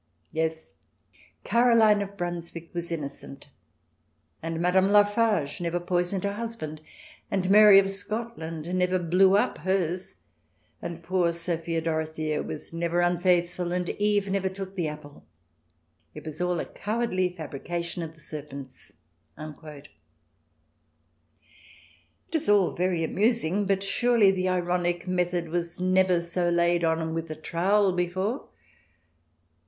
Yes, Caro line of Brunswick was innocent, and Madame Laffage 228 THE DESIRABLE ALIEN [ch. xvii never poisoned her husband, and Mary of Scotland never blew up hers, and poor Sophia Dorothea was never unfaithful, and Eve never took the apple — it was all a cowardly fabrication of the serpent's." It is all very amusing, but surely the ironic method was never so laid on with a trowel before